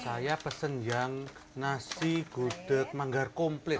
saya pesen yang nasi gudeg manggar komplit